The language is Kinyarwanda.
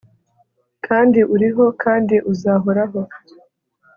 Kandi uriho, kandi uzahoraho.